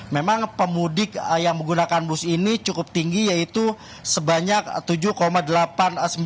memang pemudik yang menggunakan bus ini cukup tinggi yaitu sebanyak tujuh delapan puluh sembilan juta atau dua puluh tujuh tujuh puluh enam persen